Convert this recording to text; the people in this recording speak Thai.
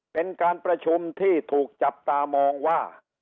เป็นการประชุมที่ถูกจับตามองว่า